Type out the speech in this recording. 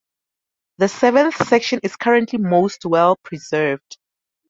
The seventh section is currently most well preserved.